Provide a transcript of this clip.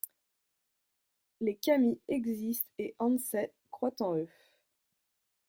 Les kami existent et Ansai croit en eux.